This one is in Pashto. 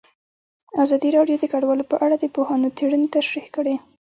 ازادي راډیو د کډوال په اړه د پوهانو څېړنې تشریح کړې.